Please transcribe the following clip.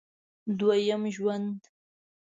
دوه یم ژوند